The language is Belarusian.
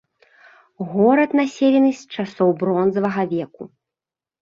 Горад населены з часоў бронзавага веку.